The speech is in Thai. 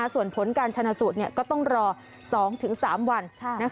ส่วนผลการชนะสูตรก็ต้องรอ๒๓วัน